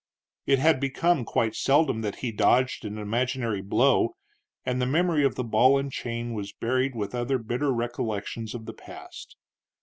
It had become quite seldom that he dodged an imaginary blow, and the memory of the ball and chain was buried with other bitter recollections of the past.